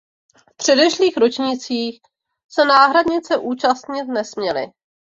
V předešlých ročnících se náhradnice účastnit nesměly.